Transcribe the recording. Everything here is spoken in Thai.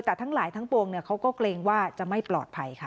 แต่ทั้งหลายทั้งปวงเขาก็เกรงว่าจะไม่ปลอดภัยค่ะ